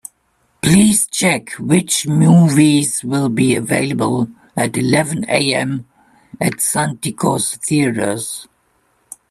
Please check which movies will be available at eleven A.M. at Santikos Theatres?